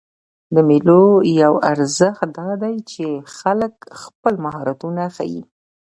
د مېلو یو ارزښت دا دئ، چې خلک خپل مهارتونه ښيي.